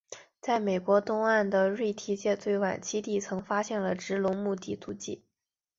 在美国东岸的瑞提阶最晚期地层发现了植龙目的足迹。